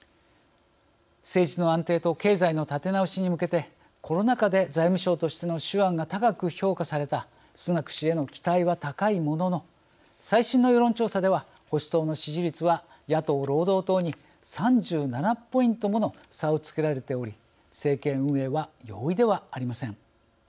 政治の安定と経済の立て直しに向けてコロナ禍で財務相としての手腕が高く評価されたスナク氏への期待は高いものの最新の世論調査では保守党の支持率は野党・労働党に３７ポイントの差をつけられており政権運営は容易ではありません。